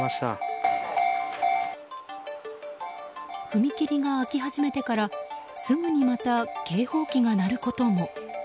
踏切が開き始めてからすぐにまた警報機が鳴ることも。